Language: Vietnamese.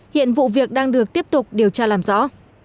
hiện vụ việc đang được tiếp tục điều tra làm rõ